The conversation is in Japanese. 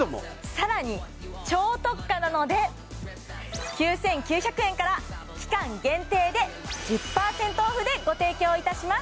さらに超特価なので９９００円から期間限定で１０％オフでご提供いたします